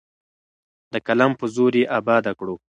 د قلم په زور یې اباده کړو.